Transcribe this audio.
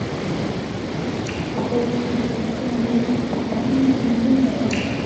أغر مخيلات الأماني لموعها